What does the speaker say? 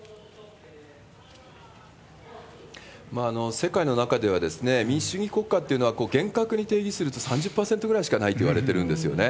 世界の中では、民主主義国家というのは厳格に定義すると、３０％ぐらいしかないといわれてるんですよね。